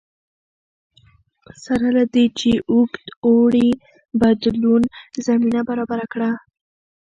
سره له دې چې اوږد اوړي بدلون زمینه برابره کړه